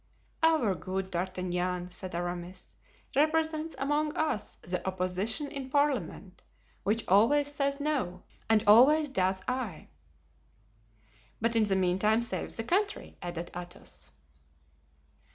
"Our good D'Artagnan," said Aramis, "represents among us the opposition in parliament, which always says no, and always does aye." "But in the meantime saves the country," added Athos.